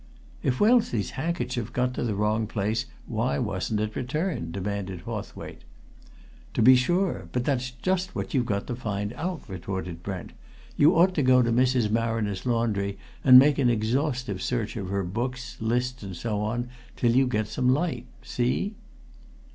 "If Wellesley's handkerchief got to the wrong place, why wasn't it returned?" demanded Hawthwaite. "To be sure; but that's just what you've got to find out," retorted Brent. "You ought to go to Mrs. Marriner's laundry and make an exhaustive search of her books, lists, and so on till you get some light see?"